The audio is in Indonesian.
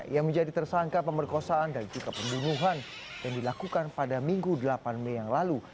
ia menjadi tersangka pemerkosaan dan juga pembunuhan yang dilakukan pada minggu delapan mei yang lalu